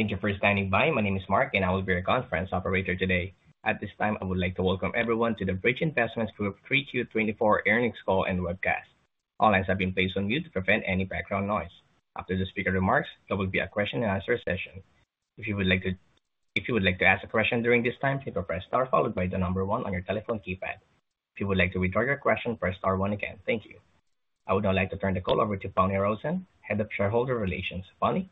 Thank you for standing by. My name is Mark, and I will be your conference operator today. At this time, I would like to welcome everyone to the Bridge Investment Group 3Q24 earnings call and webcast. All lines have been placed on mute to prevent any background noise. After the speaker remarks, there will be a question-and-answer session. If you would like to ask a question during this time, please press star followed by the number one on your telephone keypad. If you would like to withdraw your question, press star one again. Thank you. I would now like to turn the call over to Bonni Rosen, Head of Shareholder Relations. Bonni?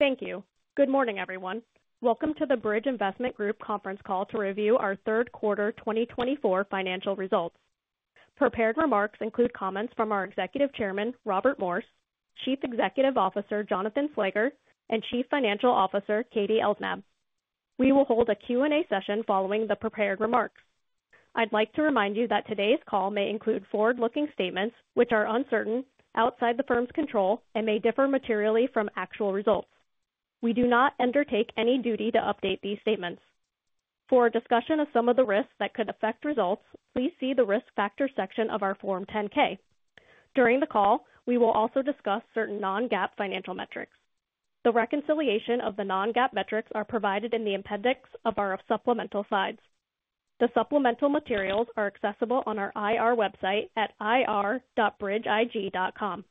Thank you. Good morning, everyone. Welcome to the Bridge Investment Group conference call to review our third quarter 2024 financial results. Prepared remarks include comments from our Executive Chairman, Robert Morse, Chief Executive Officer, Jonathan Slager, and Chief Financial Officer, Katie Elsnab. We will hold a Q&A session following the prepared remarks. I'd like to remind you that today's call may include forward-looking statements which are uncertain, outside the firm's control, and may differ materially from actual results. We do not undertake any duty to update these statements. For discussion of some of the risks that could affect results, please see the risk factor section of our Form 10-K. During the call, we will also discuss certain non-GAAP financial metrics. The reconciliation of the non-GAAP metrics is provided in the appendix of our supplemental slides. The supplemental materials are accessible on our IR website at ir.bridgeig.com.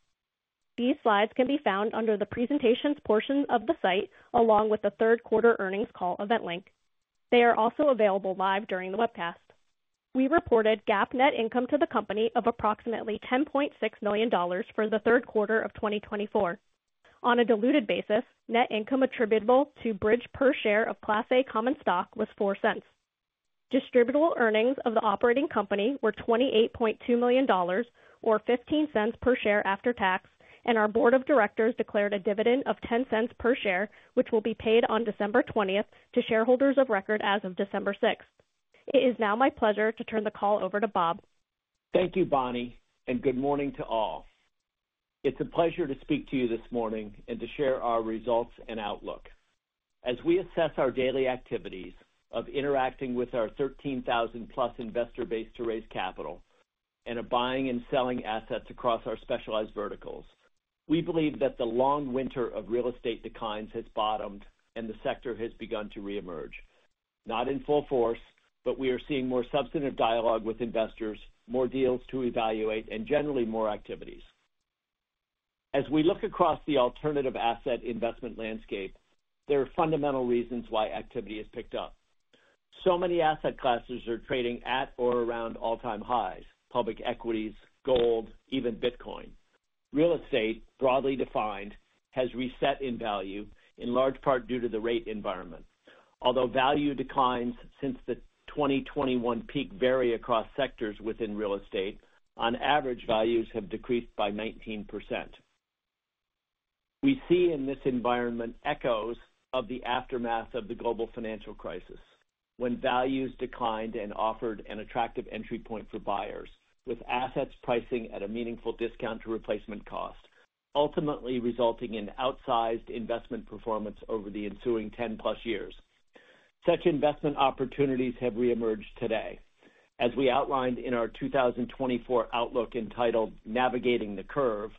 These slides can be found under the presentations portion of the site, along with the third quarter earnings call event link. They are also available live during the webcast. We reported GAAP net income to the company of approximately $10.6 million for the third quarter of 2024. On a diluted basis, net income attributable to Bridge per share of Class A common stock was $0.04. Distributable earnings of the operating company were $28.2 million, or $0.15 per share after tax, and our board of directors declared a dividend of $0.10 per share, which will be paid on December 20th to shareholders of record as of December 6th. It is now my pleasure to turn the call over to Bob. Thank you, Bonni, and good morning to all. It's a pleasure to speak to you this morning and to share our results and outlook. As we assess our daily activities of interacting with our 13,000-plus investor base to raise capital and of buying and selling assets across our specialized verticals, we believe that the long winter of real estate declines has bottomed and the sector has begun to reemerge. Not in full force, but we are seeing more substantive dialogue with investors, more deals to evaluate, and generally more activities. As we look across the alternative asset investment landscape, there are fundamental reasons why activity has picked up. So many asset classes are trading at or around all-time highs: public equities, gold, even Bitcoin. Real estate, broadly defined, has reset in value, in large part due to the rate environment. Although value declines since the 2021 peak vary across sectors within real estate, on average, values have decreased by 19%. We see in this environment echoes of the aftermath of the global financial crisis, when values declined and offered an attractive entry point for buyers, with assets pricing at a meaningful discount to replacement cost, ultimately resulting in outsized investment performance over the ensuing 10-plus years. Such investment opportunities have reemerged today. As we outlined in our 2024 outlook entitled Navigating the Curve,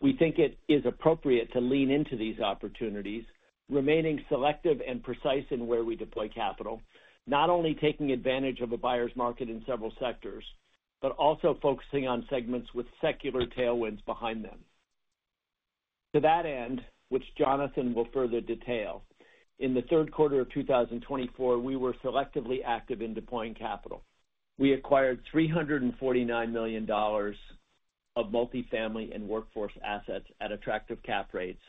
we think it is appropriate to lean into these opportunities, remaining selective and precise in where we deploy capital, not only taking advantage of a buyer's market in several sectors, but also focusing on segments with secular tailwinds behind them. To that end, which Jonathan will further detail, in the third quarter of 2024, we were selectively active in deploying capital. We acquired $349 million of multifamily and workforce assets at attractive cap rates,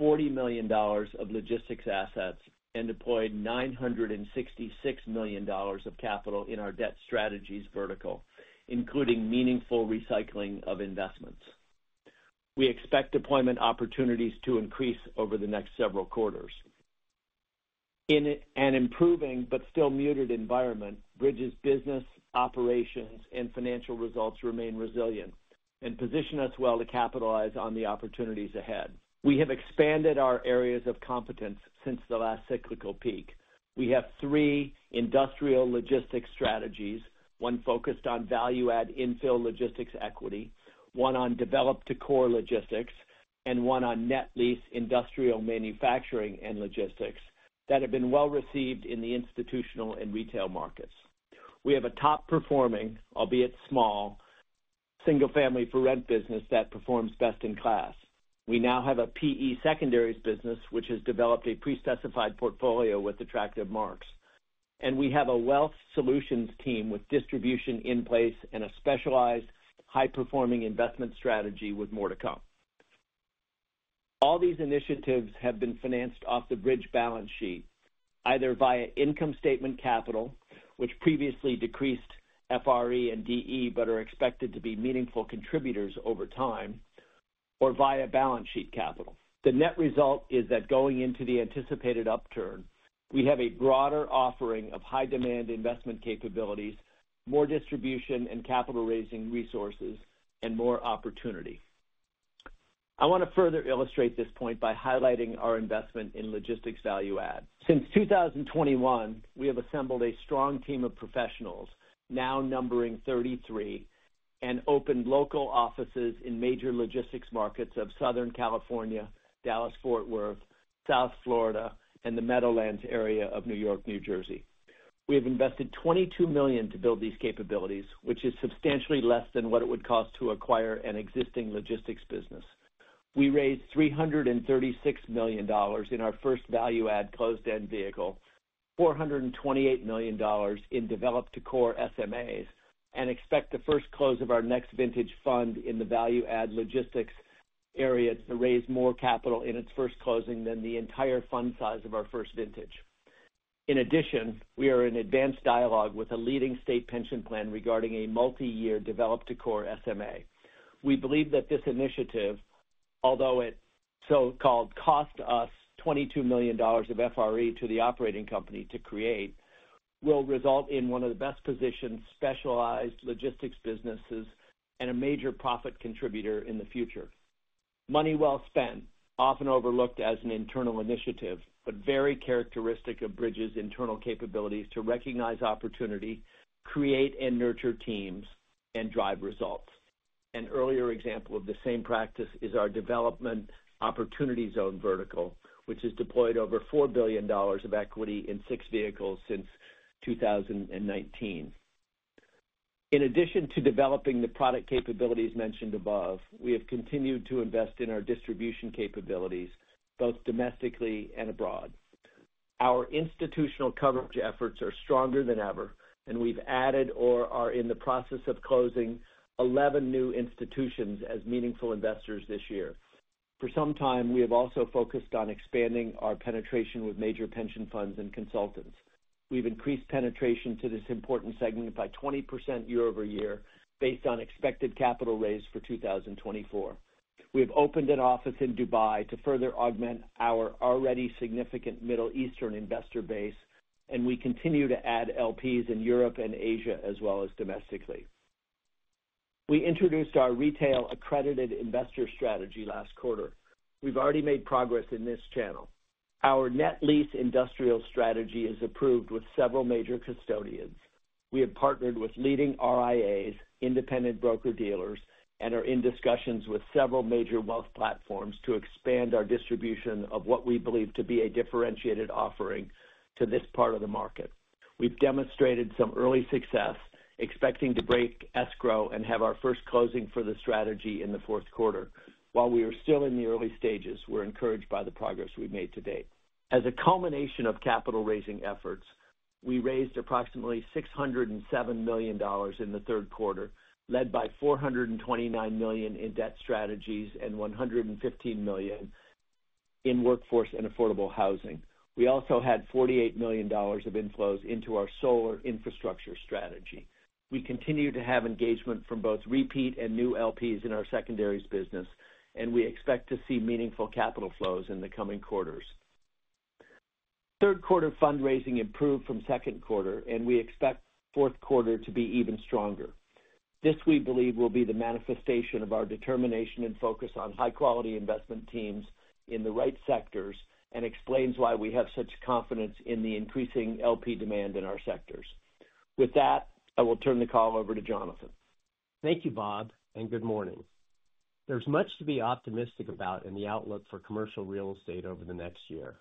$40 million of logistics assets, and deployed $966 million of capital in our debt strategies vertical, including meaningful recycling of investments. We expect deployment opportunities to increase over the next several quarters. In an improving but still muted environment, Bridge's business, operations, and financial results remain resilient and position us well to capitalize on the opportunities ahead. We have expanded our areas of competence since the last cyclical peak. We have three industrial logistics strategies: one focused on value-add infill logistics equity, one on develop-to-core logistics, and one on net lease industrial manufacturing and logistics that have been well received in the institutional and retail markets. We have a top-performing, albeit small, single-family for rent business that performs best in class. We now have a PE secondaries business which has developed a pre-specified portfolio with attractive marks. And we have a wealth solutions team with distribution in place and a specialized high-performing investment strategy with more to come. All these initiatives have been financed off the Bridge balance sheet, either via income statement capital, which previously decreased FRE and DE but are expected to be meaningful contributors over time, or via balance sheet capital. The net result is that going into the anticipated upturn, we have a broader offering of high-demand investment capabilities, more distribution and capital-raising resources, and more opportunity. I want to further illustrate this point by highlighting our investment in logistics value-add. Since 2021, we have assembled a strong team of professionals, now numbering 33, and opened local offices in major logistics markets of Southern California, Dallas-Fort Worth, South Florida, and the Meadowlands area of New York, New Jersey. We have invested $22 million to build these capabilities, which is substantially less than what it would cost to acquire an existing logistics business. We raised $336 million in our first value-add closed-end vehicle, $428 million in develo-to-core SMAs, and expect the first close of our next vintage fund in the value-add logistics area to raise more capital in its first closing than the entire fund size of our first vintage. In addition, we are in advanced dialogue with a leading state pension plan regarding a multi-year develop-to-core SMA. We believe that this initiative, although it so-called cost us $22 million of FRE to the operating company to create, will result in one of the best-positioned specialized logistics businesses and a major profit contributor in the future. Money well spent, often overlooked as an internal initiative, but very characteristic of Bridge's internal capabilities to recognize opportunity, create and nurture teams, and drive results. An earlier example of the same practice is our development Opportunity Zone vertical, which has deployed over $4 billion of equity in six vehicles since 2019. In addition to developing the product capabilities mentioned above, we have continued to invest in our distribution capabilities, both domestically and abroad. Our institutional coverage efforts are stronger than ever, and we've added or are in the process of closing 11 new institutions as meaningful investors this year. For some time, we have also focused on expanding our penetration with major pension funds and consultants. We've increased penetration to this important segment by 20% year over year based on expected capital raise for 2024. We have opened an office in Dubai to further augment our already significant Middle Eastern investor base, and we continue to add LPs in Europe and Asia as well as domestically. We introduced our retail accredited investor strategy last quarter. We've already made progress in this channel. Our net lease industrial strategy is approved with several major custodians. We have partnered with leading RIAs, independent broker-dealers, and are in discussions with several major wealth platforms to expand our distribution of what we believe to be a differentiated offering to this part of the market. We've demonstrated some early success, expecting to break escrow and have our first closing for the strategy in the fourth quarter. While we are still in the early stages, we're encouraged by the progress we've made to date. As a culmination of capital-raising efforts, we raised approximately $607 million in the third quarter, led by $429 million in debt strategies and $115 million in workforce and affordable housing. We also had $48 million of inflows into our solar infrastructure strategy. We continue to have engagement from both repeat and new LPs in our secondaries business, and we expect to see meaningful capital flows in the coming quarters. Third quarter fundraising improved from second quarter, and we expect fourth quarter to be even stronger. This we believe will be the manifestation of our determination and focus on high-quality investment teams in the right sectors and explains why we have such confidence in the increasing LP demand in our sectors. With that, I will turn the call over to Jonathan. Thank you, Bob, and good morning. There's much to be optimistic about in the outlook for commercial real estate over the next year.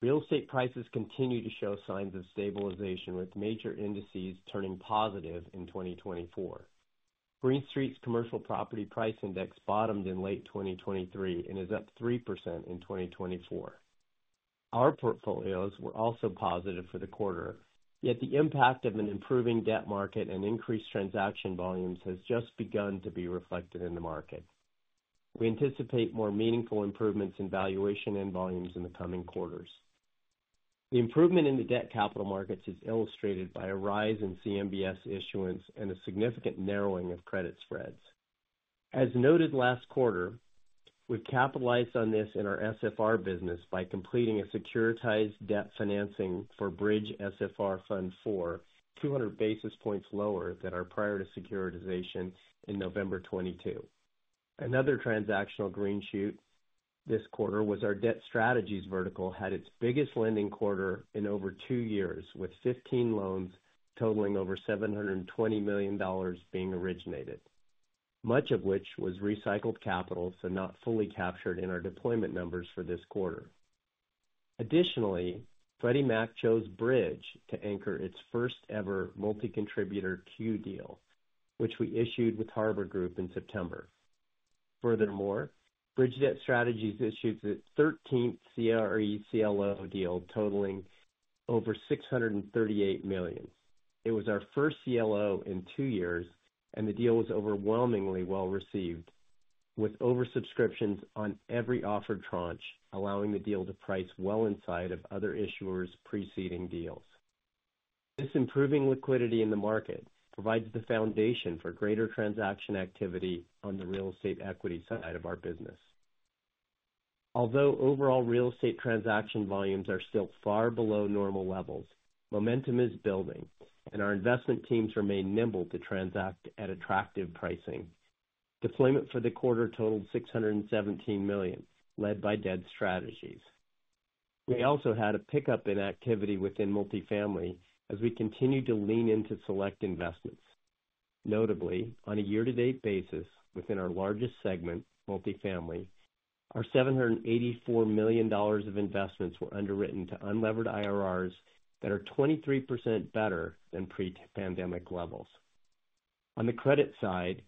Real estate prices continue to show signs of stabilization, with major indices turning positive in 2024. Green Street's Commercial Property Price Index bottomed in late 2023 and is up 3% in 2024. Our portfolios were also positive for the quarter, yet the impact of an improving debt market and increased transaction volumes has just begun to be reflected in the market. We anticipate more meaningful improvements in valuation and volumes in the coming quarters. The improvement in the debt capital markets is illustrated by a rise in CMBS issuance and a significant narrowing of credit spreads. As noted last quarter, we've capitalized on this in our SFR business by completing a securitized debt financing for Bridge SFR Fund IV, 200 basis points lower than our prior-to-securitization in November 2022. Another transactional green shoot this quarter was our debt strategies vertical had its biggest lending quarter in over two years, with 15 loans totaling over $720 million being originated, much of which was recycled capital so not fully captured in our deployment numbers for this quarter. Additionally, Freddie Mac chose Bridge to anchor its first-ever multi-contributor Q-Deal, which we issued with Harbor Group in September. Furthermore, Bridge Debt Strategies issued its 13th CRE CLO deal totaling over $638 million. It was our first CLO in two years, and the deal was overwhelmingly well received, with oversubscriptions on every offered tranche, allowing the deal to price well inside of other issuers' preceding deals. This improving liquidity in the market provides the foundation for greater transaction activity on the real estate equity side of our business. Although overall real estate transaction volumes are still far below normal levels, momentum is building, and our investment teams remain nimble to transact at attractive pricing. Deployment for the quarter totaled $617 million, led by debt strategies. We also had a pickup in activity within multifamily as we continued to lean into select investments. Notably, on a year-to-date basis, within our largest segment, multifamily, our $784 million of investments were underwritten to unlevered IRRs that are 23% better than pre-pandemic levels. On the credit side,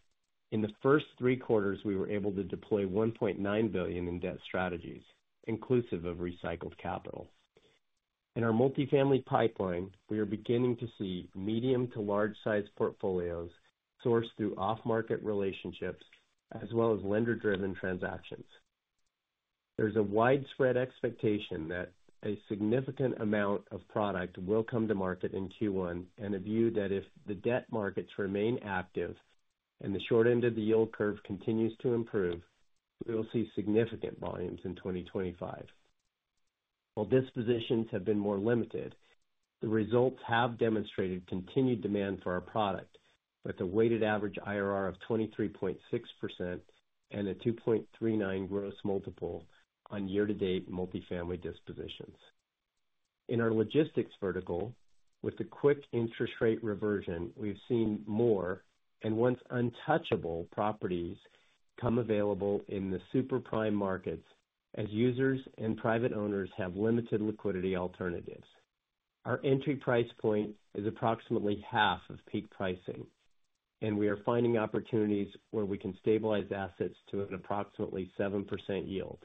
in the first three quarters, we were able to deploy $1.9 billion in debt strategies, inclusive of recycled capital. In our multifamily pipeline, we are beginning to see medium to large-sized portfolios sourced through off-market relationships as well as lender-driven transactions. There's a widespread expectation that a significant amount of product will come to market in Q1 and a view that if the debt markets remain active and the short end of the yield curve continues to improve, we will see significant volumes in 2025. While dispositions have been more limited, the results have demonstrated continued demand for our product with a weighted average IRR of 23.6% and a 2.39 gross multiple on year-to-date multifamily dispositions. In our logistics vertical, with the quick interest rate reversion, we've seen more and once untouchable properties come available in the super prime markets as users and private owners have limited liquidity alternatives. Our entry price point is approximately half of peak pricing, and we are finding opportunities where we can stabilize assets to an approximately 7% yield.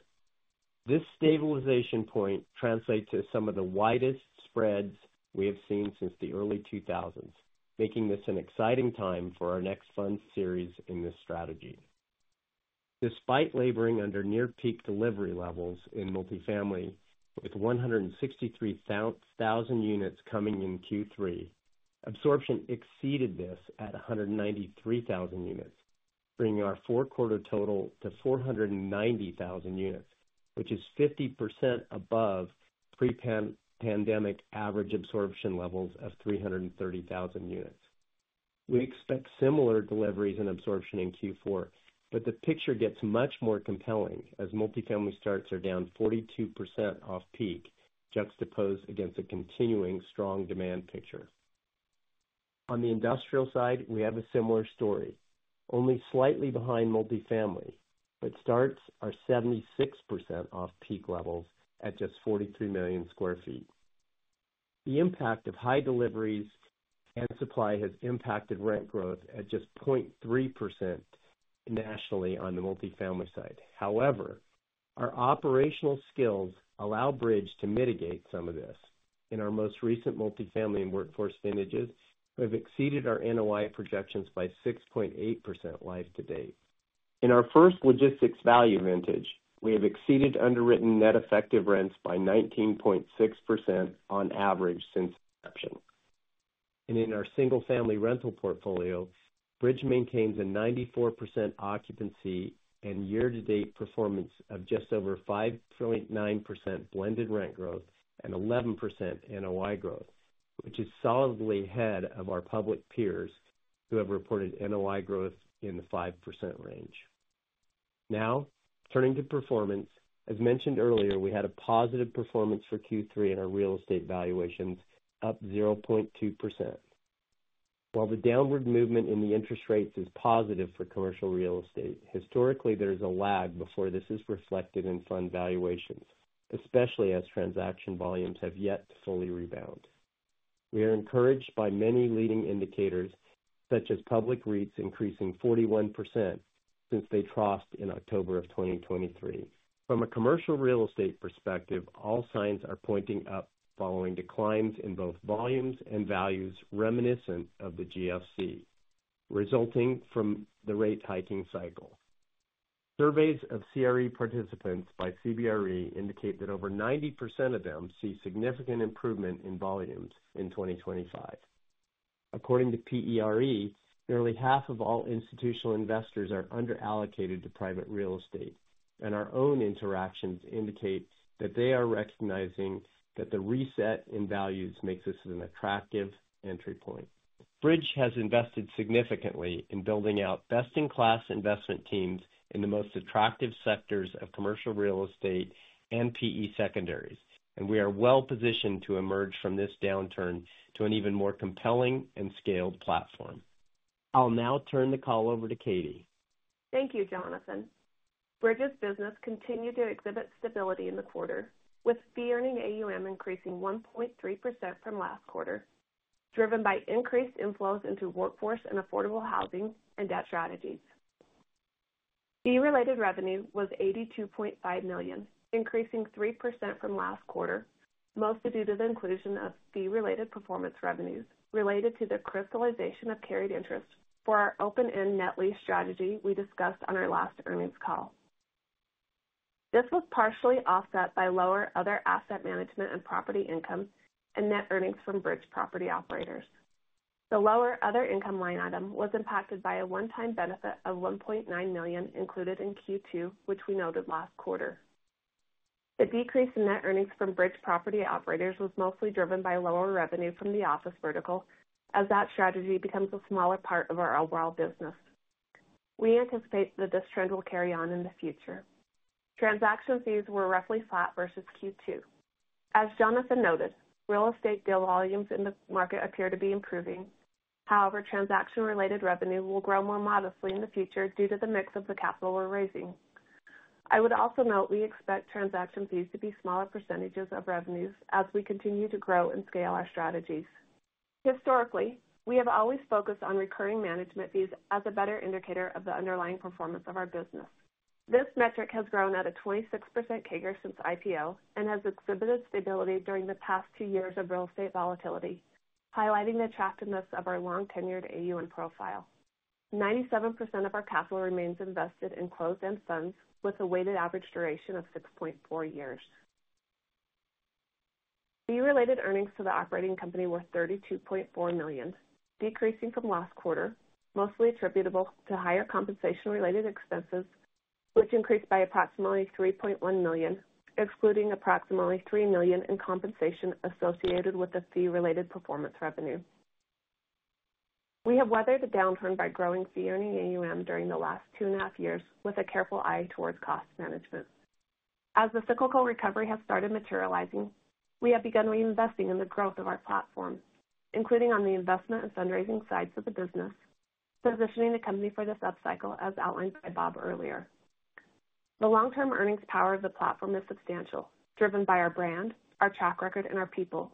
This stabilization point translates to some of the widest spreads we have seen since the early 2000s, making this an exciting time for our next fund series in this strategy. Despite laboring under near-peak delivery levels in multifamily, with 163,000 units coming in Q3, absorption exceeded this at 193,000 units, bringing our four-quarter total to 490,000 units, which is 50% above pre-pandemic average absorption levels of 330,000 units. We expect similar deliveries and absorption in Q4, but the picture gets much more compelling as multifamily starts are down 42% off peak, juxtaposed against a continuing strong demand picture. On the industrial side, we have a similar story, only slightly behind multifamily, but starts are 76% off peak levels at just 43 million sq ft. The impact of high deliveries and supply has impacted rent growth at just 0.3% nationally on the multifamily side. However, our operational skills allow Bridge to mitigate some of this. In our most recent multifamily and workforce vintages, we have exceeded our NOI projections by 6.8% live to date. In our first logistics value-add vintage, we have exceeded underwritten net effective rents by 19.6% on average since inception. And in our single-family rental portfolio, Bridge maintains a 94% occupancy and year-to-date performance of just over 5.9% blended rent growth and 11% NOI growth, which is solidly ahead of our public peers who have reported NOI growth in the 5% range. Now, turning to performance, as mentioned earlier, we had a positive performance for Q3 in our real estate valuations, up 0.2%. While the downward movement in the interest rates is positive for commercial real estate, historically, there is a lag before this is reflected in fund valuations, especially as transaction volumes have yet to fully rebound. We are encouraged by many leading indicators, such as public REITs increasing 41% since they troughed in October of 2023. From a commercial real estate perspective, all signs are pointing up following declines in both volumes and values reminiscent of the GFC, resulting from the rate hiking cycle. Surveys of CRE participants by CBRE indicate that over 90% of them see significant improvement in volumes in 2025. According to PERE, nearly half of all institutional investors are underallocated to private real estate, and our own interactions indicate that they are recognizing that the reset in values makes this an attractive entry point. Bridge has invested significantly in building out best-in-class investment teams in the most attractive sectors of commercial real estate and PE secondaries, and we are well positioned to emerge from this downturn to an even more compelling and scaled platform. I'll now turn the call over to Katie. Thank you, Jonathan. Bridge's business continued to exhibit stability in the quarter, with fee-earning AUM increasing 1.3% from last quarter, driven by increased inflows into workforce and affordable housing and debt strategies. Fee-related revenue was $82.5 million, increasing 3% from last quarter, mostly due to the inclusion of fee-related performance revenues related to the crystallization of carried interest for our open-end net lease strategy we discussed on our last earnings call. This was partially offset by lower other asset management and property income and net earnings from Bridge Property Operators. The lower other income line item was impacted by a one-time benefit of $1.9 million included in Q2, which we noted last quarter. The decrease in net earnings from Bridge Property Operators was mostly driven by lower revenue from the office vertical, as that strategy becomes a smaller part of our overall business. We anticipate that this trend will carry on in the future. Transaction fees were roughly flat versus Q2. As Jonathan noted, real estate deal volumes in the market appear to be improving. However, transaction-related revenue will grow more modestly in the future due to the mix of the capital we're raising. I would also note we expect transaction fees to be smaller percentages of revenues as we continue to grow and scale our strategies. Historically, we have always focused on recurring management fees as a better indicator of the underlying performance of our business. This metric has grown at a 26% CAGR since IPO and has exhibited stability during the past two years of real estate volatility, highlighting the attractiveness of our long-tenured AUM profile. 97% of our capital remains invested in closed-end funds with a weighted average duration of 6.4 years. Fee-related earnings to the operating company were $32.4 million, decreasing from last quarter, mostly attributable to higher compensation-related expenses, which increased by approximately $3.1 million, excluding approximately $3 million in compensation associated with the fee-related performance revenue. We have weathered the downturn by growing fee-earning AUM during the last two and a half years with a careful eye towards cost management. As the cyclical recovery has started materializing, we have begun reinvesting in the growth of our platform, including on the investment and fundraising sides of the business, positioning the company for this upcycle as outlined by Bob earlier. The long-term earnings power of the platform is substantial, driven by our brand, our track record, and our people.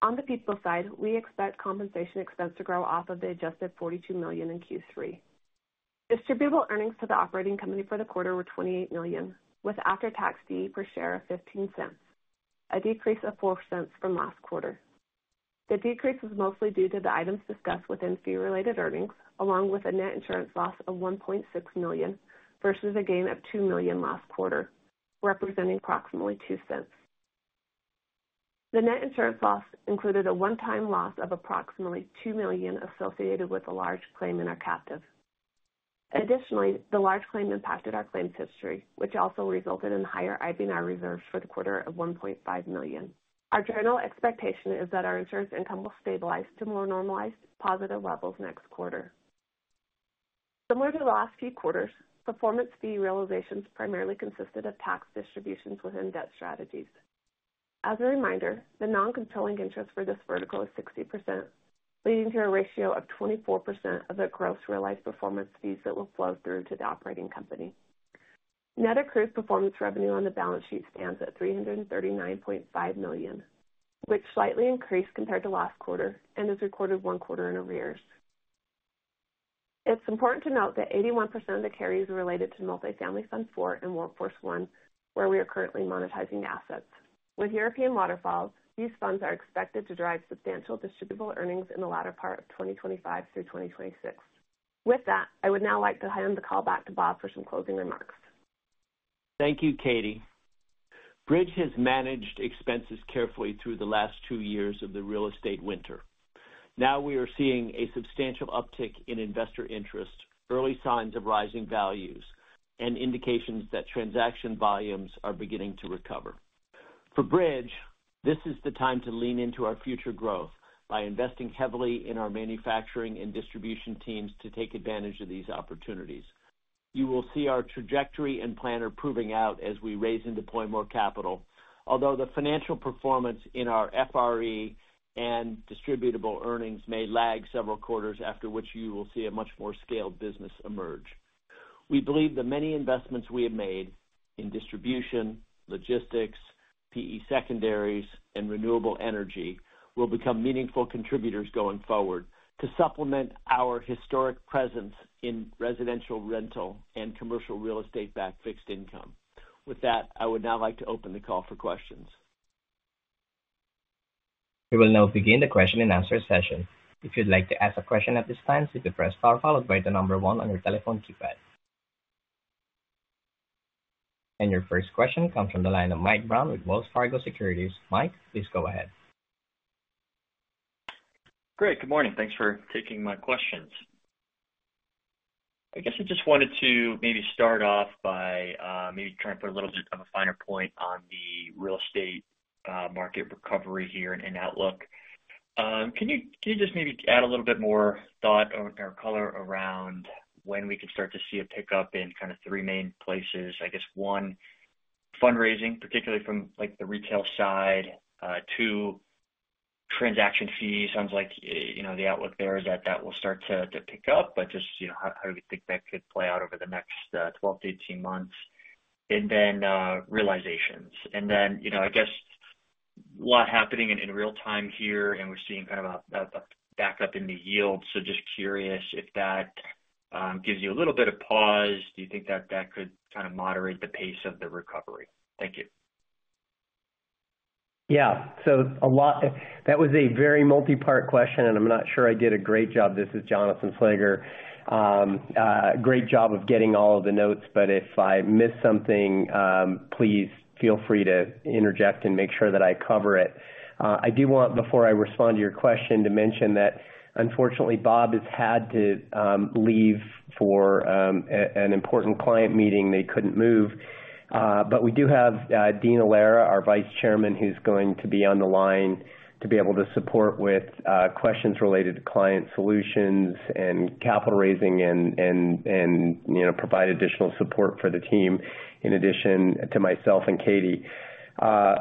On the people side, we expect compensation expense to grow off of the adjusted $42 million in Q3. Distributable earnings to the operating company for the quarter were $28 million, with after-tax DE per share of $0.15, a decrease of $0.04 from last quarter. The decrease was mostly due to the items discussed within fee-related earnings, along with a net insurance loss of $1.6 million versus a gain of $2 million last quarter, representing approximately $0.02. The net insurance loss included a one-time loss of approximately $2 million associated with a large claim in our captive. Additionally, the large claim impacted our claims history, which also resulted in higher IBNR reserves for the quarter of $1.5 million. Our general expectation is that our insurance income will stabilize to more normalized positive levels next quarter. Similar to the last few quarters, performance fee realizations primarily consisted of tax distributions within debt strategies. As a reminder, the non-controlling interest for this vertical is 60%, leading to a ratio of 24% of the gross realized performance fees that will flow through to the operating company. Net accrued performance revenue on the balance sheet stands at $339.5 million, which slightly increased compared to last quarter and is recorded one quarter in arrears. It's important to note that 81% of the carries are related to Multifamily Fund IV and Workforce I, where we are currently monetizing assets. With European waterfalls, these funds are expected to drive substantial distributable earnings in the latter part of 2025 through 2026. With that, I would now like to hand the call back to Bob for some closing remarks. Thank you, Katie. Bridge has managed expenses carefully through the last two years of the real estate winter. Now we are seeing a substantial uptick in investor interest, early signs of rising values, and indications that transaction volumes are beginning to recover. For Bridge, this is the time to lean into our future growth by investing heavily in our manufacturing and distribution teams to take advantage of these opportunities. You will see our trajectory and plan are proving out as we raise and deploy more capital, although the financial performance in our FRE and distributable earnings may lag several quarters, after which you will see a much more scaled business emerge. We believe the many investments we have made in distribution, logistics, PE secondaries, and renewable energy will become meaningful contributors going forward to supplement our historic presence in residential rental and commercial real estate backed fixed income. With that, I would now like to open the call for questions. We will now begin the question and answer session. If you'd like to ask a question at this time, please press star followed by the number one on your telephone keypad. And your first question comes from the line of Mike Brown with Wells Fargo Securities. Mike, please go ahead. Great. Good morning. Thanks for taking my questions. I guess I just wanted to maybe start off by maybe trying to put a little bit of a finer point on the real estate market recovery here and outlook. Can you just maybe add a little bit more thought or color around when we can start to see a pickup in kind of three main places? I guess one, fundraising, particularly from the retail side. Two, transaction fees. Sounds like the outlook there is that that will start to pick up, but just how do we think that could play out over the next 12-18 months? And then realizations. And then I guess a lot happening in real time here, and we're seeing kind of a backup in the yield. So just curious if that gives you a little bit of pause? Do you think that that could kind of moderate the pace of the recovery? Thank you. Yeah. So that was a very multi-part question, and I'm not sure I did a great job. This is Jonathan Slager. Great job of getting all of the notes, but if I miss something, please feel free to interject and make sure that I cover it. I do want, before I respond to your question, to mention that, unfortunately, Bob has had to leave for an important client meeting. They couldn't move. But we do have Dean Allara, our Vice Chairman, who's going to be on the line to be able to support with questions related to client solutions and capital raising and provide additional support for the team, in addition to myself and Katie.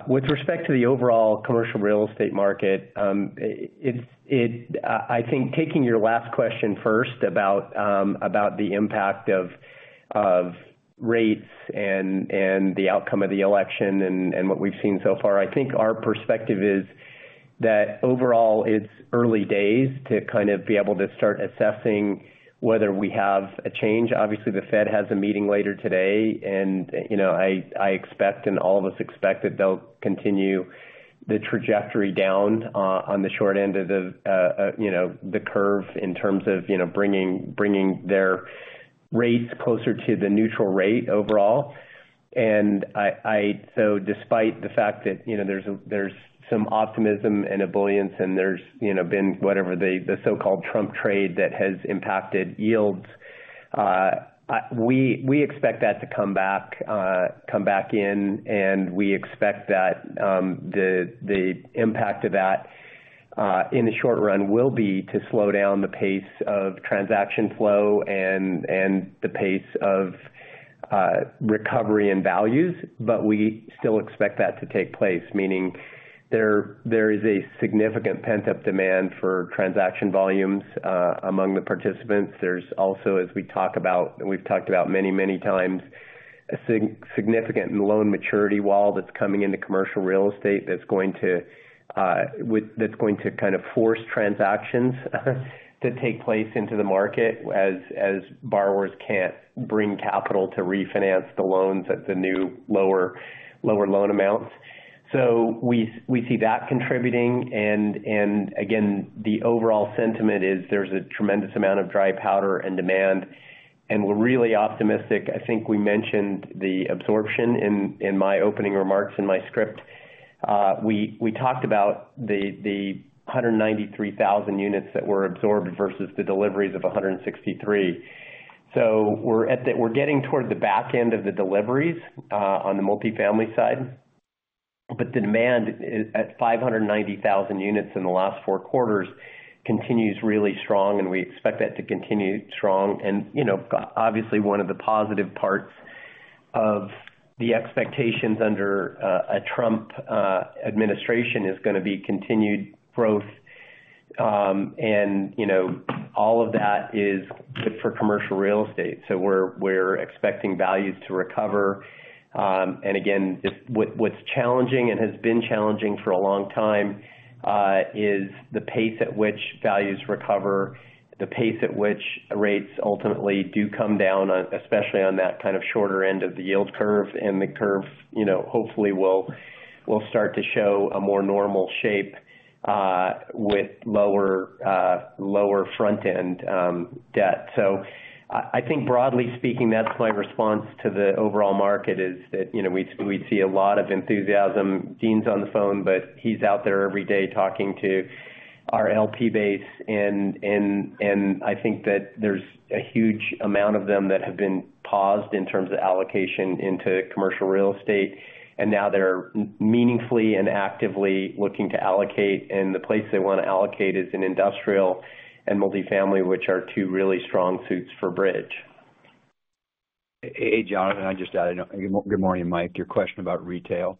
With respect to the overall commercial real estate market, I think taking your last question first about the impact of rates and the outcome of the election and what we've seen so far, I think our perspective is that overall, it's early days to kind of be able to start assessing whether we have a change. Obviously, the Fed has a meeting later today, and I expect, and all of us expect, that they'll continue the trajectory down on the short end of the curve in terms of bringing their rates closer to the neutral rate overall. And so despite the fact that there's some optimism and a buoyancy, and there's been whatever the so-called Trump Trade that has impacted yields, we expect that to come back in, and we expect that the impact of that in the short run will be to slow down the pace of transaction flow and the pace of recovery and values. But we still expect that to take place, meaning there is a significant pent-up demand for transaction volumes among the participants. There's also, as we talk about, and we've talked about many, many times, a significant loan maturity wall that's coming into commercial real estate that's going to kind of force transactions to take place into the market as borrowers can't bring capital to refinance the loans at the new lower loan amounts. So we see that contributing. And again, the overall sentiment is there's a tremendous amount of dry powder and demand, and we're really optimistic. I think we mentioned the absorption in my opening remarks in my script. We talked about the 193,000 units that were absorbed versus the deliveries of 163. So we're getting toward the back end of the deliveries on the multifamily side, but the demand at 590,000 units in the last four quarters continues really strong, and we expect that to continue strong. And obviously, one of the positive parts of the expectations under a Trump administration is going to be continued growth, and all of that is good for commercial real estate. So we're expecting values to recover. And again, what's challenging and has been challenging for a long time is the pace at which values recover, the pace at which rates ultimately do come down, especially on that kind of shorter end of the yield curve, and the curve hopefully will start to show a more normal shape with lower front-end debt. So I think, broadly speaking, that's my response to the overall market, is that we see a lot of enthusiasm. Dean's on the phone, but he's out there every day talking to our LP base, and I think that there's a huge amount of them that have been paused in terms of allocation into commercial real estate, and now they're meaningfully and actively looking to allocate, and the place they want to allocate is in industrial and multifamily, which are two really strong suits for Bridge. Hey, Jonathan. I just added, good morning, Mike, your question about retail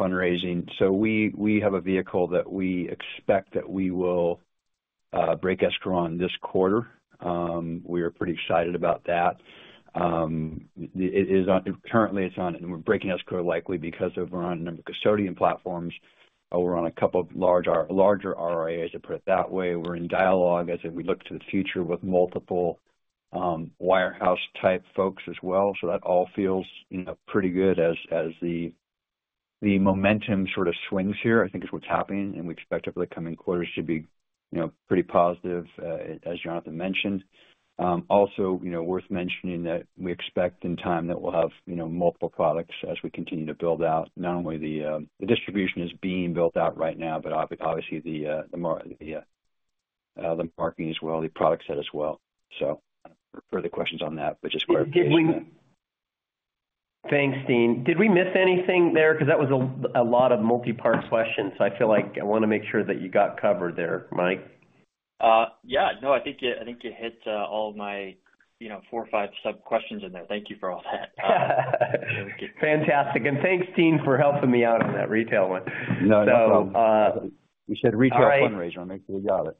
fundraising. So we have a vehicle that we expect that we will break escrow on this quarter. We are pretty excited about that. Currently, it's on breaking escrow likely because of our number of custodian platforms. We're on a couple of larger RIAs, to put it that way. We're in dialogue as we look to the future with multiple wirehouse-type folks as well. So that all feels pretty good as the momentum sort of swings here, I think, is what's happening, and we expect over the coming quarters to be pretty positive, as Jonathan mentioned. Also, worth mentioning that we expect in time that we'll have multiple products as we continue to build out. Not only the distribution is being built out right now, but obviously the marketing as well, the product set as well. So, further questions on that, but just quick. Thanks, Dean. Did we miss anything there? Because that was a lot of multi-part questions, so I feel like I want to make sure that you got covered there, Mike. Yeah. No, I think you hit all of my four or five sub-questions in there. Thank you for all that. Fantastic. And thanks, Dean, for helping me out on that retail one. No, no problem. We said retail fundraiser. I'll make sure you got it.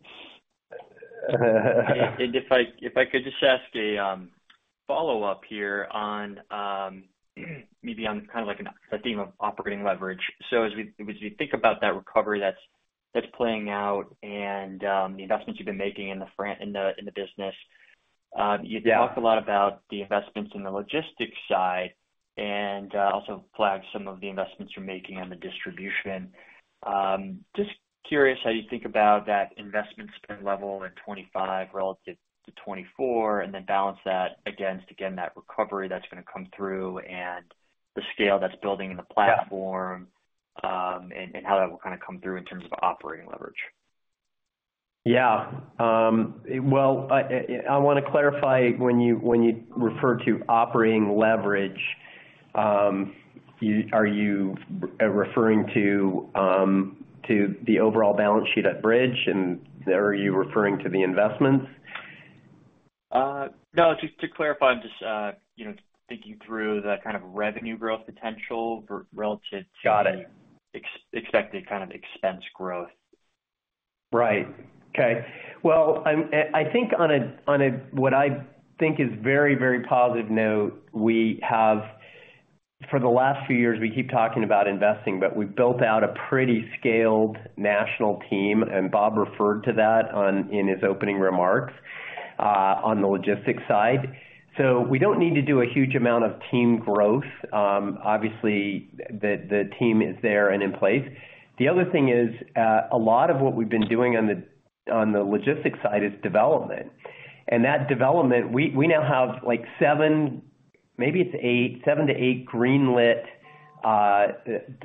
And if I could just ask a follow-up here on maybe on kind of like the theme of operating leverage. So as we think about that recovery that's playing out and the investments you've been making in the business, you talked a lot about the investments in the logistics side and also flagged some of the investments you're making on the distribution. Just curious how you think about that investment spend level at 25 relative to 24, and then balance that against, again, that recovery that's going to come through and the scale that's building in the platform and how that will kind of come through in terms of operating leverage. Yeah. Well, I want to clarify when you refer to operating leverage, are you referring to the overall balance sheet at Bridge, and are you referring to the investments? No, just to clarify, I'm just thinking through the kind of revenue growth potential relative to expected kind of expense growth. Right. Okay. Well, I think on what I think is a very, very positive note, we have for the last few years, we keep talking about investing, but we've built out a pretty scaled national team, and Bob referred to that in his opening remarks on the logistics side. So we don't need to do a huge amount of team growth. Obviously, the team is there and in place. The other thing is a lot of what we've been doing on the logistics side is development. And that development, we now have like seven, maybe it's eight, seven to eight greenlit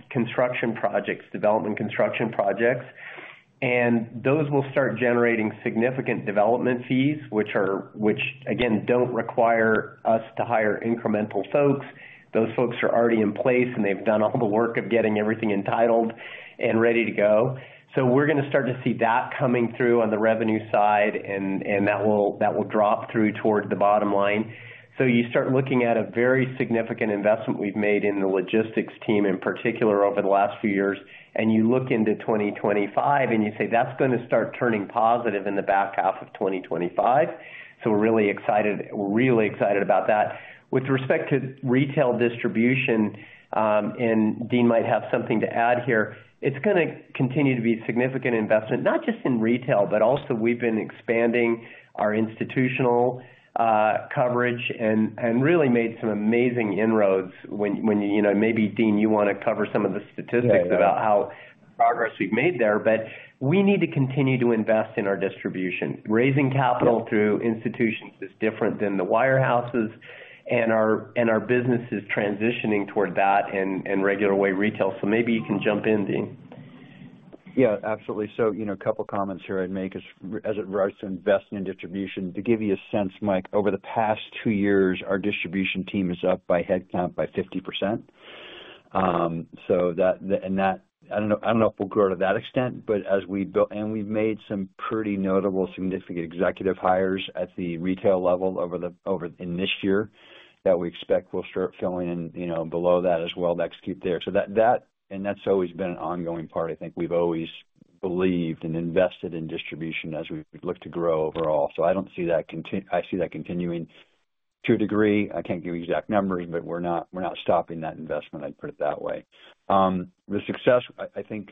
construction projects, development construction projects. And those will start generating significant development fees, which, again, don't require us to hire incremental folks. Those folks are already in place, and they've done all the work of getting everything entitled and ready to go. So we're going to start to see that coming through on the revenue side, and that will drop through toward the bottom line. So you start looking at a very significant investment we've made in the logistics team in particular over the last few years, and you look into 2025, and you say, "That's going to start turning positive in the back half of 2025." So we're really excited about that. With respect to retail distribution, and Dean might have something to add here, it's going to continue to be a significant investment, not just in retail, but also we've been expanding our institutional coverage and really made some amazing inroads. Maybe Dean, you want to cover some of the statistics about how progress we've made there, but we need to continue to invest in our distribution. Raising capital through institutions is different than the wirehouses, and our business is transitioning toward that and regular way retail, so maybe you can jump in, Dean. Yeah, absolutely. So a couple of comments here I'd make as it relates to investing in distribution. To give you a sense, Mike, over the past two years, our distribution team is up by headcount by 50%. And I don't know if we'll grow to that extent, but as we've built and we've made some pretty notable significant executive hires at the retail level in this year that we expect will start filling in below that as well next year there. So that, and that's always been an ongoing part. I think we've always believed and invested in distribution as we look to grow overall. So I don't see that I see that continuing to a degree. I can't give you exact numbers, but we're not stopping that investment, I'd put it that way. The success, I think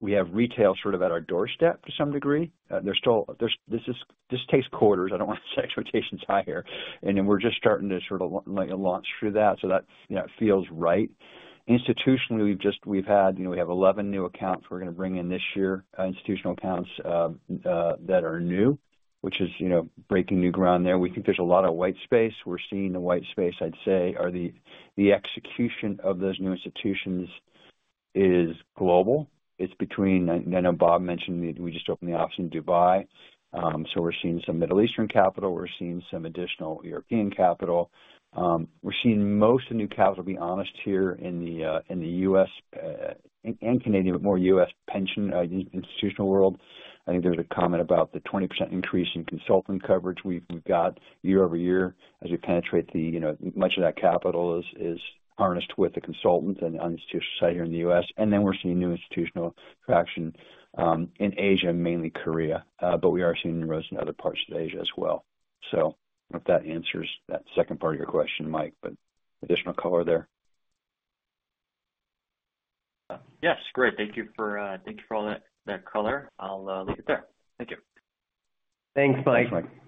we have retail sort of at our doorstep to some degree. This takes quarters. I don't want to say expectations higher, and then we're just starting to sort of launch through that so that feels right. Institutionally, we have 11 new accounts we're going to bring in this year, institutional accounts that are new, which is breaking new ground there. We think there's a lot of white space. We're seeing the white space, I'd say, or the execution of those new institutions is global. It's between, I know, Bob mentioned we just opened the office in Dubai. So we're seeing some Middle Eastern capital. We're seeing some additional European capital. We're seeing most of the new capital, to be honest, here in the U.S. and Canadian, but more U.S. pension institutional world. I think there was a comment about the 20% increase in consultant coverage we've got year over year as we penetrate. Much of that capital is harnessed with the consultants and the institutional side here in the U.S., and then we're seeing new institutional traction in Asia, mainly Korea, but we are seeing in other parts of Asia as well, so I don't know if that answers that second part of your question, Mike, but additional color there. Yes. Great. Thank you for all that color. I'll leave it there. Thank you. Thanks, Mike. Thanks, Mike.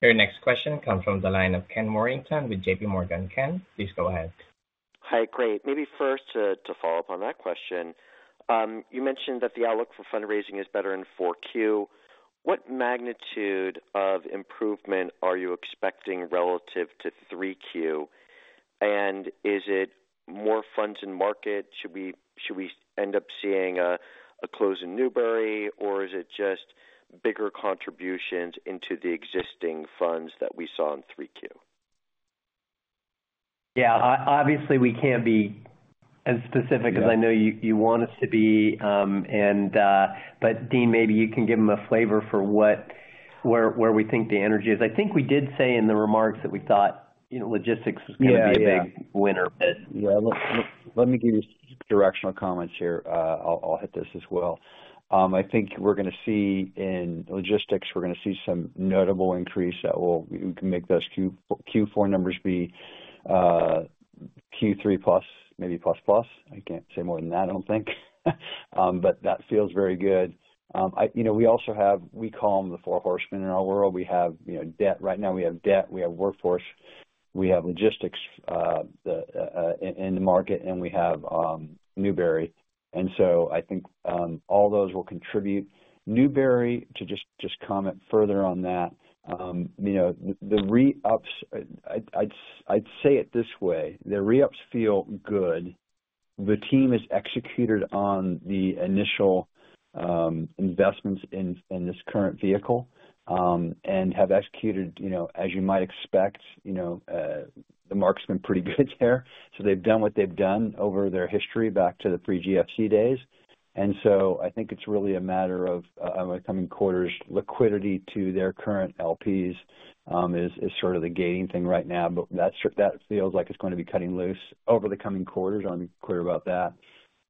very next question comes from the line of Ken Worthington with J.P. Morgan, Ken. Please go ahead. Hi, Craig. Maybe first to follow up on that question. You mentioned that the outlook for fundraising is better in 4Q. What magnitude of improvement are you expecting relative to 3Q? And is it more funds in market? Should we end up seeing a close in Newbury, or is it just bigger contributions into the existing funds that we saw in 3Q? Yeah. Obviously, we can't be as specific as I know you want us to be, but Dean, maybe you can give them a flavor for where we think the energy is. I think we did say in the remarks that we thought logistics was going to be a big winner. Yeah. Let me give you some directional comments here. I'll hit this as well. I think we're going to see in logistics, we're going to see some notable increase that will make those Q4 numbers be Q3 plus, maybe plus-plus. I can't say more than that, I don't think. But that feels very good. We also have what we call the Four Horsemen in our world. We have debt right now. We have workforce. We have logistics in the market, and we have Newbury. And so I think all those will contribute. Newbury, to just comment further on that, the re-ups, I'd say it this way. The re-ups feel good. The team has executed on the initial investments in this current vehicle and have executed, as you might expect, the marks have been pretty good there. So they've done what they've done over their history back to the pre-GFC days. And so I think it's really a matter of over the coming quarters, liquidity to their current LPs is sort of the gating thing right now, but that feels like it's going to be cutting loose over the coming quarters. I'm clear about that.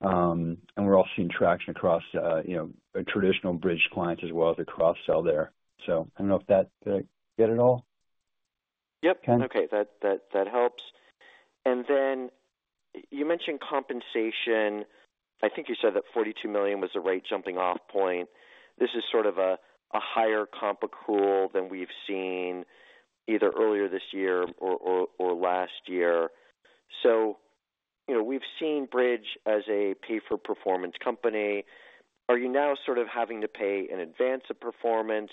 And we're all seeing traction across traditional Bridge clients as well as the cross-sell there. So I don't know if that did I get it all? Yep. Okay. That helps. And then you mentioned compensation. I think you said that $42 million was the right jumping-off point. This is sort of a higher comp ratio than we've seen either earlier this year or last year. So we've seen Bridge as a pay-for-performance company. Are you now sort of having to pay in advance of performance?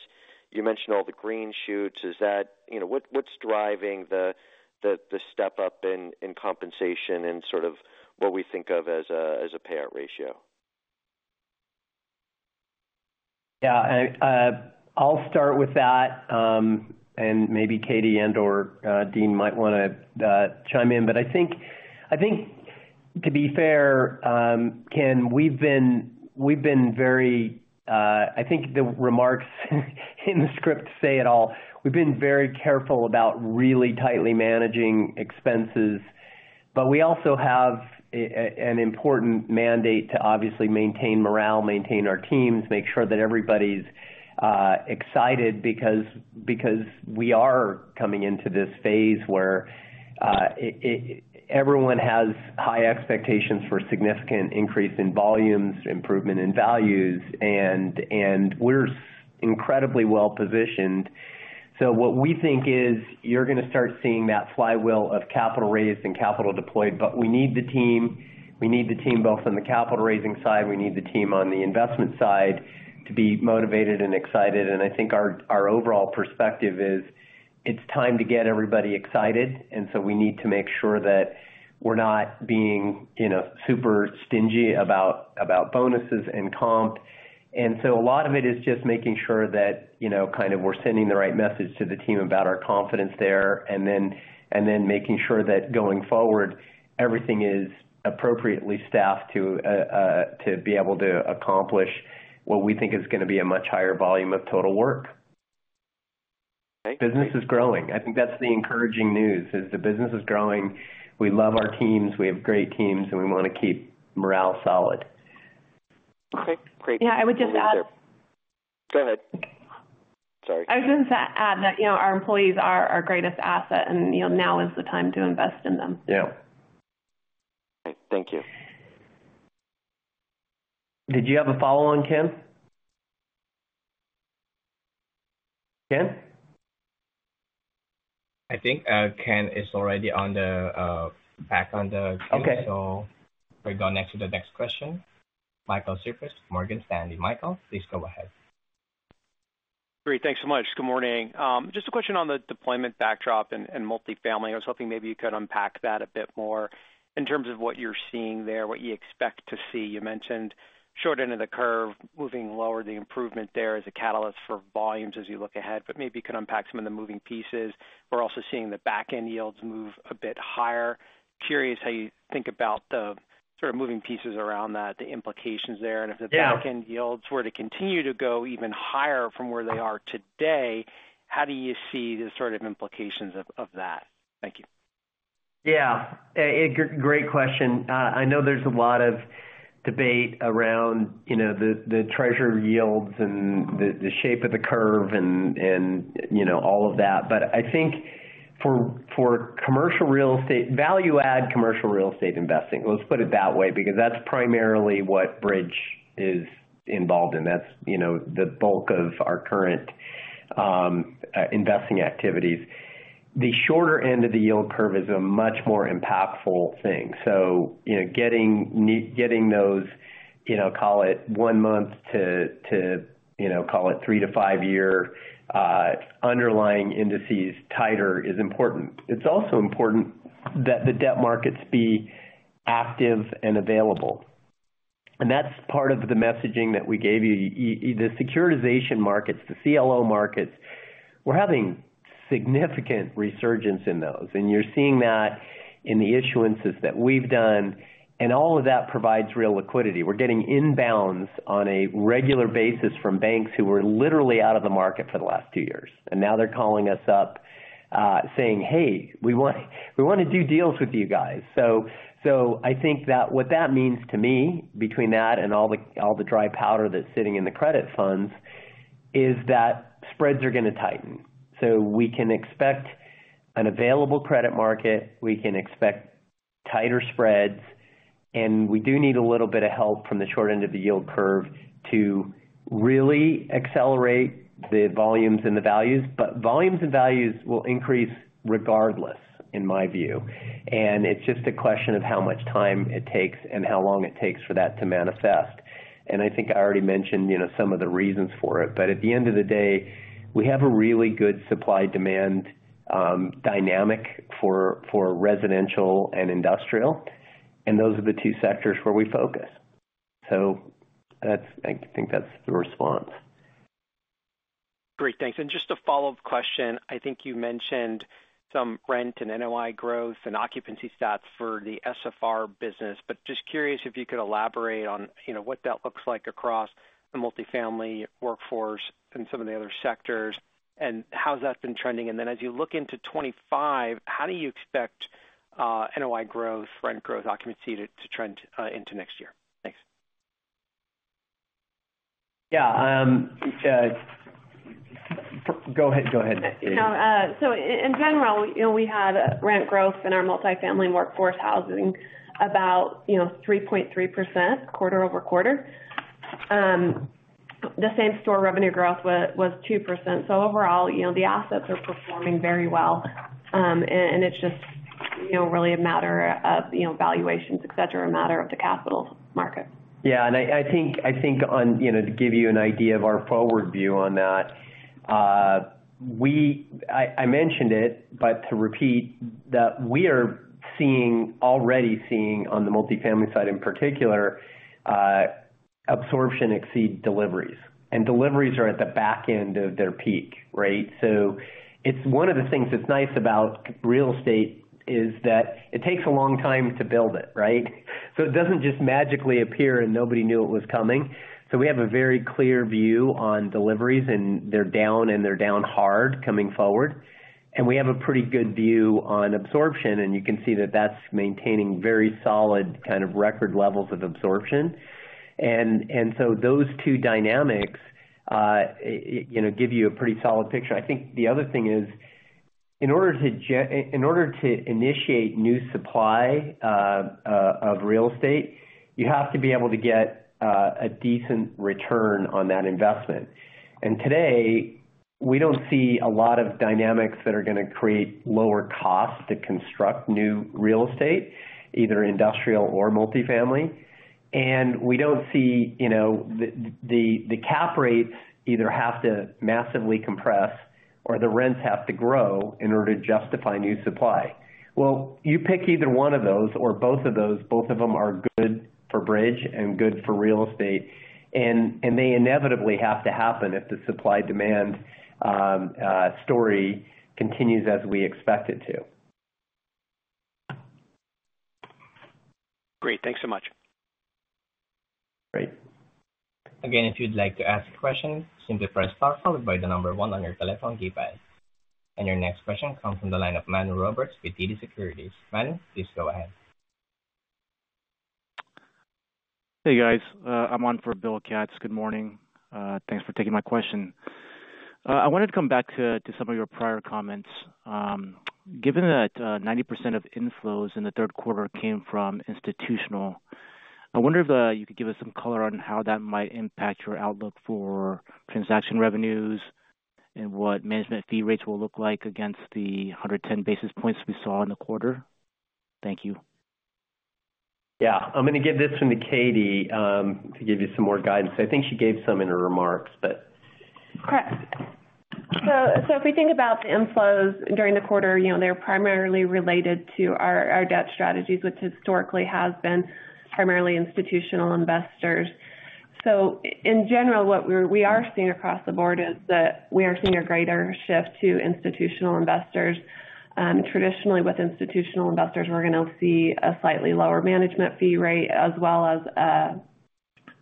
You mentioned all the green shoots. What's driving the step up in compensation and sort of what we think of as a payout ratio? Yeah. I'll start with that, and maybe Katie and/or Dean might want to chime in. But I think, to be fair, Ken, we've been very. I think the remarks in the script say it all. We've been very careful about really tightly managing expenses, but we also have an important mandate to obviously maintain morale, maintain our teams, make sure that everybody's excited because we are coming into this phase where everyone has high expectations for significant increase in volumes, improvement in values, and we're incredibly well-positioned. So what we think is you're going to start seeing that flywheel of capital raised and capital deployed, but we need the team. We need the team both on the capital raising side. We need the team on the investment side to be motivated and excited. And I think our overall perspective is it's time to get everybody excited. And so, we need to make sure that we're not being super stingy about bonuses and comp. And so, a lot of it is just making sure that kind of we're sending the right message to the team about our confidence there and then making sure that going forward, everything is appropriately staffed to be able to accomplish what we think is going to be a much higher volume of total work. Business is growing. I think that's the encouraging news: the business is growing. We love our teams. We have great teams, and we want to keep morale solid. Okay. Great. Yeah. I would just add. Go ahead. Sorry. I was going to add that our employees are our greatest asset, and now is the time to invest in them. Yeah. Thank you. Did you have a follow-on, Ken? Ken? I think Ken is already back on the call, so we're going to go next to the next question. Michael Cyprys, Morgan Stanley. Michael, please go ahead. Great. Thanks so much. Good morning. Just a question on the deployment backdrop and multifamily. I was hoping maybe you could unpack that a bit more in terms of what you're seeing there, what you expect to see. You mentioned short end of the curve moving lower. The improvement there is a catalyst for volumes as you look ahead, but maybe you could unpack some of the moving pieces. We're also seeing the back-end yields move a bit higher. Curious how you think about the sort of moving pieces around that, the implications there. And if the back-end yields were to continue to go even higher from where they are today, how do you see the sort of implications of that? Thank you. Yeah. Great question. I know there's a lot of debate around the treasury yields and the shape of the curve and all of that, but I think for commercial real estate, value-add commercial real estate investing, let's put it that way because that's primarily what Bridge is involved in. That's the bulk of our current investing activities. The shorter end of the yield curve is a much more impactful thing. So getting those, call it one month to call it three to five-year underlying indices tighter is important. It's also important that the debt markets be active and available. And that's part of the messaging that we gave you. The securitization markets, the CLO markets, we're having significant resurgence in those. And you're seeing that in the issuances that we've done. And all of that provides real liquidity. We're getting inbounds on a regular basis from banks who were literally out of the market for the last two years. And now they're calling us up saying, "Hey, we want to do deals with you guys." So I think that what that means to me between that and all the dry powder that's sitting in the credit funds is that spreads are going to tighten. So we can expect an available credit market. We can expect tighter spreads. And we do need a little bit of help from the short end of the yield curve to really accelerate the volumes and the values. But volumes and values will increase regardless, in my view. And it's just a question of how much time it takes and how long it takes for that to manifest. And I think I already mentioned some of the reasons for it. But at the end of the day, we have a really good supply-demand dynamic for residential and industrial. And those are the two sectors where we focus. So I think that's the response. Great. Thanks. And just a follow-up question. I think you mentioned some rent and NOI growth and occupancy stats for the SFR business, but just curious if you could elaborate on what that looks like across the multifamily workforce and some of the other sectors and how has that been trending? And then as you look into 2025, how do you expect NOI growth, rent growth, occupancy to trend into next year? Thanks. Yeah. Go ahead. In general, we had rent growth in our multifamily workforce housing about 3.3% quarter over quarter. The same store revenue growth was 2%. Overall, the assets are performing very well. It's just really a matter of valuations, etc., a matter of the capital market. Yeah. And I think to give you an idea of our forward view on that, I mentioned it, but to repeat that we are already seeing on the multifamily side in particular, absorption exceed deliveries. And deliveries are at the back end of their peak, right? So it's one of the things that's nice about real estate is that it takes a long time to build it, right? So it doesn't just magically appear and nobody knew it was coming. So we have a very clear view on deliveries, and they're down, and they're down hard coming forward. And we have a pretty good view on absorption. And you can see that that's maintaining very solid kind of record levels of absorption. And so those two dynamics give you a pretty solid picture. I think the other thing is in order to initiate new supply of real estate, you have to be able to get a decent return on that investment. And today, we don't see a lot of dynamics that are going to create lower costs to construct new real estate, either industrial or multifamily. And we don't see the cap rates either have to massively compress or the rents have to grow in order to justify new supply. Well, you pick either one of those or both of those. Both of them are good for Bridge and good for real estate. And they inevitably have to happen if the supply-demand story continues as we expect it to. Great. Thanks so much. Great. Again, if you'd like to ask a question, simply press star followed by the number one on your telephone keypad. And your next question comes from the line of Michael Roberts with TD Securities. Michael, please go ahead. Hey, guys. I'm on for Bill Katz. Good morning. Thanks for taking my question. I wanted to come back to some of your prior comments. Given that 90% of inflows in the third quarter came from institutional, I wonder if you could give us some color on how that might impact your outlook for transaction revenues and what management fee rates will look like against the 110 basis points we saw in the quarter. Thank you. Yeah. I'm going to give this one to Katie to give you some more guidance. I think she gave some in her remarks, but. Correct. So if we think about the inflows during the quarter, they're primarily related to our debt strategies, which historically has been primarily institutional investors. So in general, what we are seeing across the board is that we are seeing a greater shift to institutional investors. Traditionally, with institutional investors, we're going to see a slightly lower management fee rate as well as a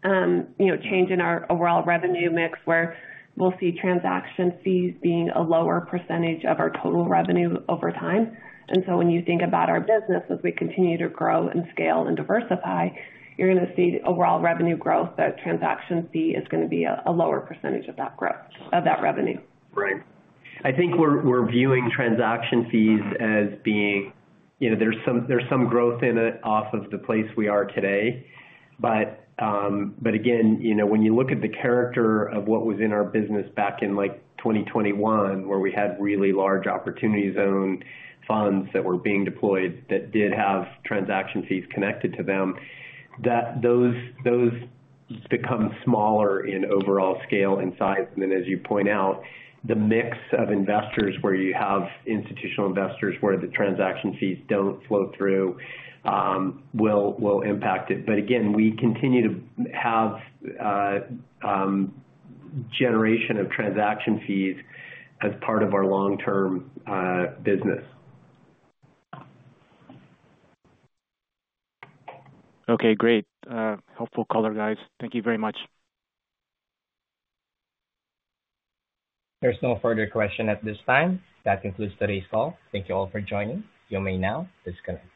change in our overall revenue mix where we'll see transaction fees being a lower percentage of our total revenue over time. And so when you think about our business, as we continue to grow and scale and diversify, you're going to see overall revenue growth, but transaction fee is going to be a lower percentage of that growth of that revenue. Right. I think we're viewing transaction fees as being, there's some growth in it off of the place we are today. But again, when you look at the character of what was in our business back in 2021, where we had really large Opportunity Zone funds that were being deployed that did have transaction fees connected to them, those become smaller in overall scale and size. And then, as you point out, the mix of investors, where you have institutional investors where the transaction fees don't flow through, will impact it. But again, we continue to have generation of transaction fees as part of our long-term business. Okay. Great. Helpful color, guys. Thank you very much. There's no further question at this time. That concludes today's call. Thank you all for joining. You may now disconnect.